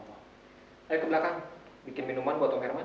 saya ke belakang bikin minuman buat om herman